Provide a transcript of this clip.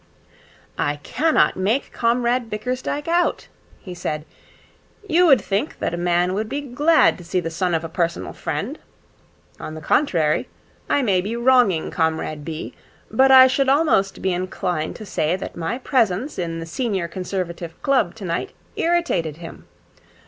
'I cannot make Comrade Bickersdyke out,' he said. 'You would think that a man would be glad to see the son of a personal friend. On the contrary, I may be wronging Comrade B., but I should almost be inclined to say that my presence in the Senior Conservative Club tonight irritated him.